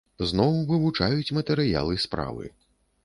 Зноў вывучаюць матэрыялы справы.